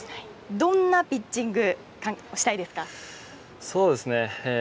どんなピッチングをしたいですか。